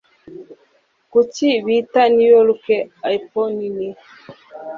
Kuki bita New York Apple nini?